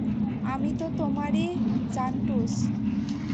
আমি তো তোমারি জান্টুস!